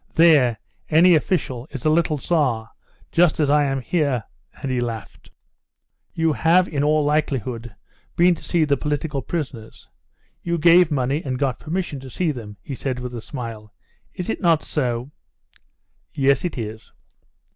There any official is a little Tsar, just as I am here," and he laughed. "You have in all likelihood been to see the political prisoners; you gave money and got permission to see them," he said, with a smile. "Is it not so?" "Yes, it is."